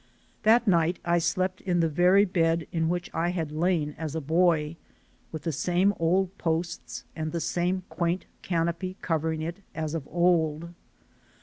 That night I slept in the very bed in which I had lain as a boy, with the same old posts and the same quaint canopy covering it as of old.